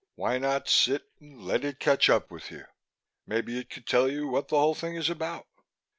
"Why not sit still and let it catch up with you? Maybe it could tell you what the whole thing is about."